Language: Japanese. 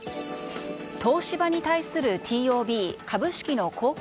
東芝に対するＴＯＢ・株式の公開